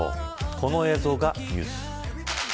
この映像がニュース。